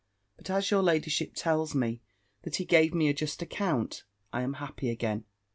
But as your ladyship tells me that he gave me a just account, I am happy again.